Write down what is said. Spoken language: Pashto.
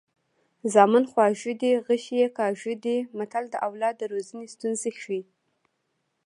زامن خواږه دي غشي یې کاږه دي متل د اولاد د روزنې ستونزې ښيي